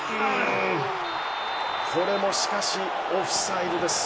これも、しかしオフサイドです。